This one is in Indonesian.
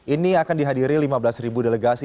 ini akan dihadiri lima belas ribu delegasi